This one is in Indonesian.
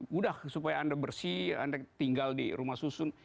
mudah supaya anda bersih anda tinggal di rumah susun